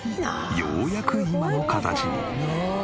ようやく今の形に。